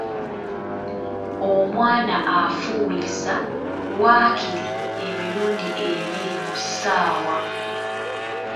Omwana afuuyisa waakiri emirundi ebiri mu ssaawa ?